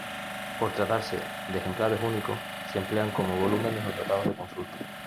Por tratarse de ejemplares únicos, se emplean como volúmenes o tratados de consulta.